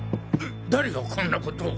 誰がこんな事を。